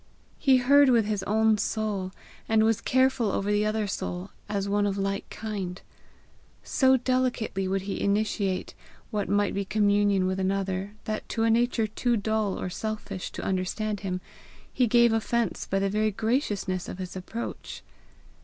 He heard with his own soul, and was careful over the other soul as one of like kind. So delicately would he initiate what might be communion with another, that to a nature too dull or selfish to understand him, he gave offence by the very graciousness of his approach.